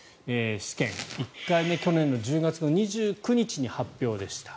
試験は１回目去年の１０月２９日に発表でした。